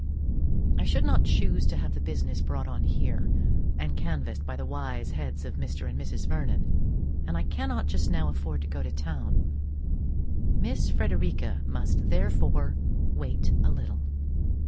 I should not chuse to have the business brought on here, and canvassed by the wise heads of Mr. and Mrs. Vernon; and I cannot just now afford to go to town. Miss Frederica must therefore wait a little.